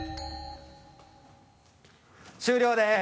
終了です。